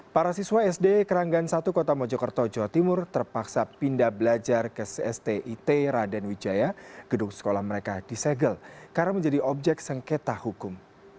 para siswa sd keranggan satu kota mojokerto jawa timur terpaksa pindah belajar ke stit raden wijaya gedung sekolah mereka disegel karena menjadi objek sengketa hukum